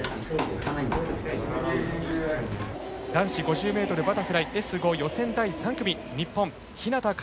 男子５０ｍバタフライＳ５予選第３組日本日向楓